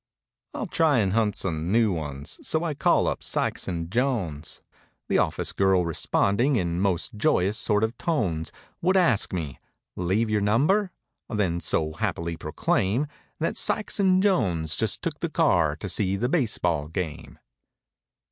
Fll try and hunt some new ones, so I call up Sykes and Jones; The office girl responding in most joyous sort of tones. Would ask me, "Leave your number?" Then so happily proclaim That Sykes and Jones just took the car to see the baseball game.